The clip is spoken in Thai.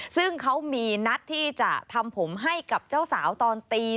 ซึ่งเขามีนัดที่จะทำผมให้กับเจ้าสาวตอนตี